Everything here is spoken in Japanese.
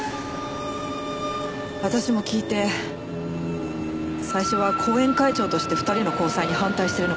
私も聞いて最初は後援会長として２人の交際に反対しているのかと思いました。